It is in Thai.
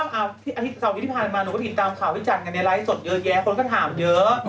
คนก็ถามเยอะ